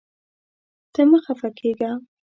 ته مه خفه کېږه.